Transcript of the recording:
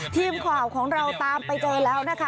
ทีมข่าวของเราตามไปเจอแล้วนะคะ